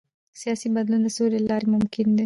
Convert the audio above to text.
سیاسي بدلون د سولې له لارې ممکن دی